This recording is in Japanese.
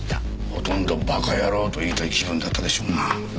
ほとんどバカヤロウと言いたい気分だったでしょうな。